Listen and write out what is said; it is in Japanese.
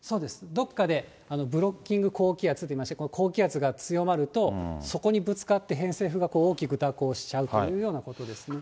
どこかでブロッキング高気圧といいまして、高気圧が強まると、そこにぶつかって、偏西風が大きく蛇行しちゃうというようなことですね。